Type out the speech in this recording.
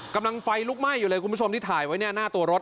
กำลังไฟลุกไหม้อยู่เลยคุณผู้ชมที่ถ่ายไว้เนี่ยหน้าตัวรถ